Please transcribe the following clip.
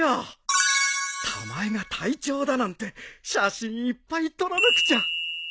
たまえが隊長だなんて写真いっぱい撮らなくちゃ